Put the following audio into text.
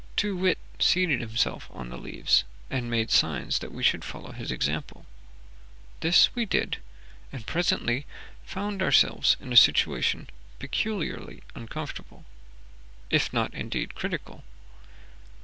Too wit seated himself on the leaves, and made signs that we should follow his example. This we did, and presently found ourselves in a situation peculiarly uncomfortable, if not indeed critical.